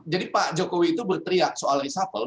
jadi pak jokowi itu berteriak soal risafel